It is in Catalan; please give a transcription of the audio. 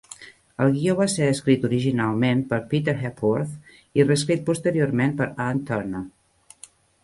El guió va ser escrit originalment per Peter Hepworth i reescrit posteriorment per Ann Turner.